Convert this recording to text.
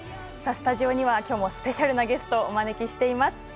スタジオにはきょうもスペシャルなゲストお招きしています。